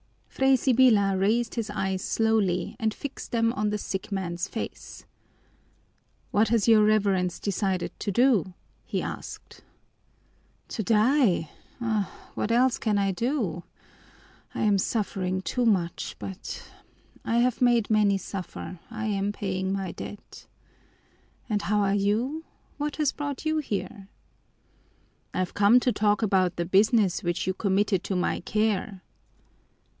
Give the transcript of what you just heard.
Fray Sibyla raised his eyes slowly and fixed them on the sick man's face. "What has your Reverence decided to do?" he asked. "To die! Ah, what else can I do? I am suffering too much, but I have made many suffer, I am paying my debt! And how are you? What has brought you here?" "I've come to talk about the business which you committed to my care."